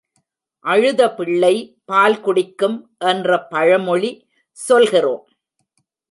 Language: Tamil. அழுத பிள்ளை பால் குடிக்கும் என்ற பழமொழி சொல்கிறோம்.